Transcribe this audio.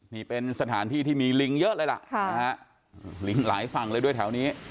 นี่เป็นสถานที่ที่มีลิงเยอะเลยล่ะลิงหลายฝั่งเลยด้วยแถวนี้